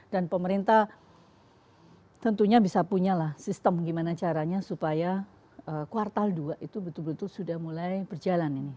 dan pemerintah tentunya bisa punya lah sistem gimana caranya supaya kuartal dua itu betul betul sudah mulai berjalan ini